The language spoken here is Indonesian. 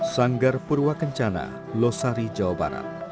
sanggar purwakencana losari jawa barat